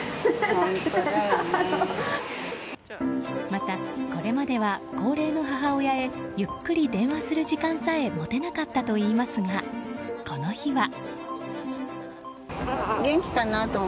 また、これまでは高齢の母親へゆっくり電話する時間さえ持てなかったといいますがこの日は。